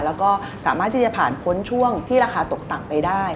แล้วก็สามารถที่จะผ่านพ้นช่วงที่ราคาตกต่ำไปได้